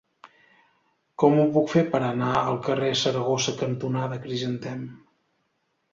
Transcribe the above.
Com ho puc fer per anar al carrer Saragossa cantonada Crisantem?